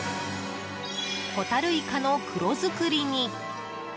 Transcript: ホタルイカの黒造りに。